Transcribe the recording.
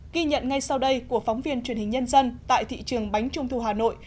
ghi nhận ngay sau đây của phóng viên truyền hình nhân dân tại thị trường bánh trung thu hà nội